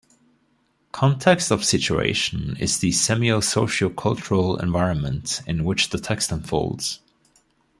Context of situation is the semio-socio-cultural environment in which the text unfolds.